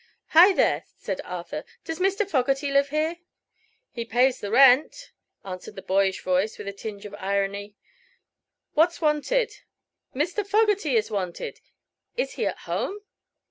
"Hi, there!" said Arthur. "Does Mr. Fogerty live here?" "He pays the rent," answered a boyish voice, with a tinge of irony. "What's wanted?" "Mr. Fogerty is wanted. Is he at home?"